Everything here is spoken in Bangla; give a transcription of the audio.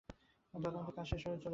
তদন্তের কাজ শেষ হলে চলে যাবেন।